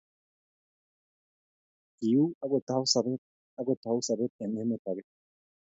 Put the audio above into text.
Kiuu akutou sobet eng' emet age.